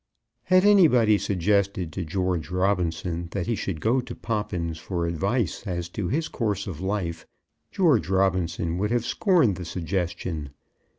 Had anybody suggested to George Robinson that he should go to Poppins for advice as to his course of life, George Robinson would have scorned the suggestion.